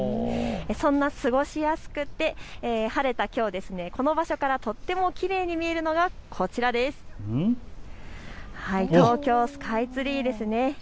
そんな過ごしやすくて晴れたきょう、この場所から、とてもきれいに見えるのがこちら東京スカイツリーです。